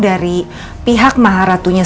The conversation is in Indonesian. dari pihak maharatunya